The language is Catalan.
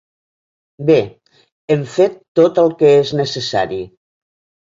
Bé, hem fet tot el que és necessari.